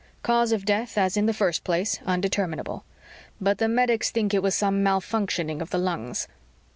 Cause of death, as in the first place, undeterminable. But the medics think it was some malfunctioning of the lungs.